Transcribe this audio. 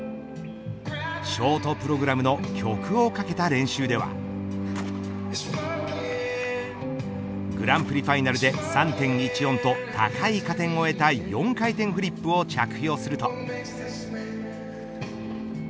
ショートプログラムの曲をかけた練習ではグランプリファイナルで３．１４と高い加点を得た４回転フリップを着氷すると。